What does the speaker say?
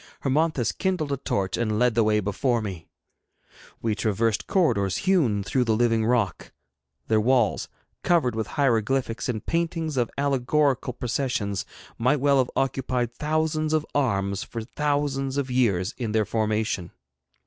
Hermonthis kindled a torch and led the way before me. We traversed corridors hewn through the living rock. Their walls, covered with hieroglyphics and paintings of allegorical processions, might well have occupied thousands of arms for thousands of years in their formation.